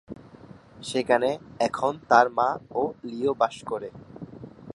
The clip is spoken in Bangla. সেখানে এখন তার মা ও লিও বাস করে।